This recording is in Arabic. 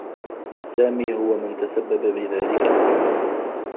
سامي هو من تسبّب بذلك الحمل.